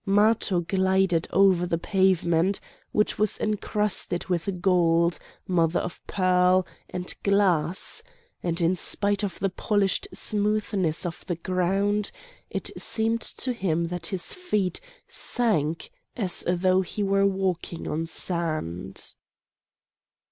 Matho glided over the pavement, which was encrusted with gold, mother of pearl, and glass; and, in spite of the polished smoothness of the ground, it seemed to him that his feet sank as though he were walking on sand.